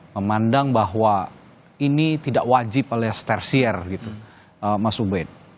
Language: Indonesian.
memandang bahwa ini tidak wajib oleh starsier gitu mas ubed